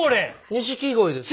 錦鯉ですね。